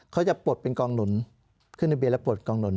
เขาจะปลดเป็นกองหนุน